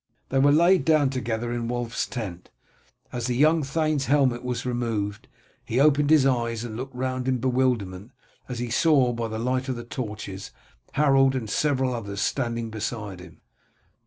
They were laid down together in Wulf's tent. As the young thane's helmet was removed, he opened his eyes and looked round in bewilderment as he saw, by the light of the torches, Harold and several others standing beside him.